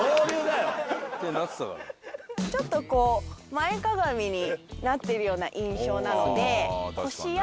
ちょっとこう前かがみになってるような印象なので。